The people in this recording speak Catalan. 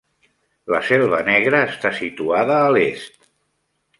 La Selva Negra està situada a l'est.